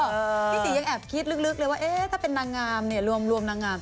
พี่ตียังแอบคิดลึกเลยว่าถ้าเป็นนางงามเนี่ยรวมนางงาม